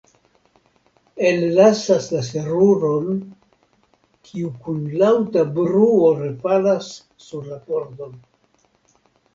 Ellasas la seruron, kiu kun laŭta bruo refalas sur la pordon.